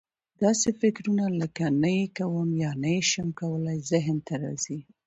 داسې فکرونه لکه: نه یې کوم یا نه یې شم کولای ذهن ته راځي.